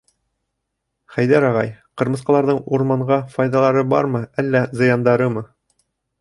— Хәйҙәр ағай, ҡырмыҫҡаларҙың урманға файҙалары бармы, әллә зыяндарымы?